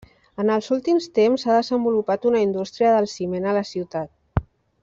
En els últims temps s'ha desenvolupat una indústria del ciment a la ciutat.